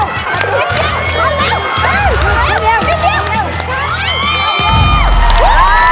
นิดเดียว